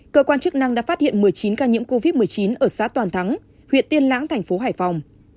cơ quan chức năng đã phát hiện một mươi chín ca nhiễm covid một mươi chín ở xã toàn thắng huyện tiên lãng tp hcm